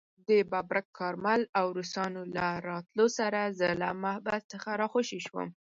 د ببرک کارمل او روسانو له راتلو سره زه له محبس څخه راخوشي شوم.